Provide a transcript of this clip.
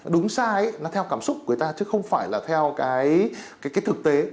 đúng sai nó theo cảm xúc của người ta chứ không phải là theo cái thực tế